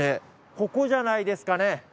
ここじゃないですかね？